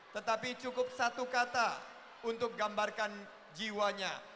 tetapi cukup satu kata untuk gambarkan jiwanya